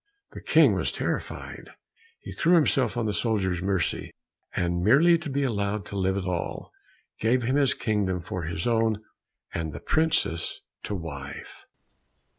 The King was terrified; he threw himself on the soldier's mercy, and merely to be allowed to live at all, gave him his kingdom for his own, and the princess to wife.